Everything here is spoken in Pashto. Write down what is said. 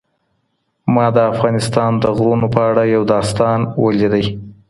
ما د افغانستان د غرونو په اړه یو داستان ولیدی.